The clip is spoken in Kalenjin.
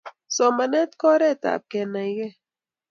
somanet ko oret ap kenaikei